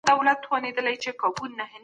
د کندهار صنعت کي د چاپیریال ساتنه څنګه کېږي؟